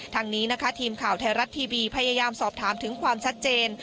ทางนี้นะคะทีมข่าวไทยรัฐทีวีพยายามสอบถามถึงความชัดเจน